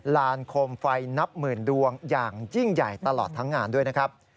ลานโคมไฟนับหมื่นดวงอย่างยิ่งใหญ่ตลอดทั้งงานด้วยนะครับ